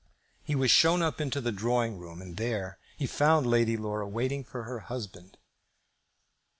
He was shown up into the drawing room, and there he found Lady Laura waiting for her husband.